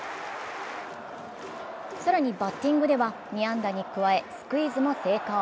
更にバッティングでは２安打に加えスクイズも成功。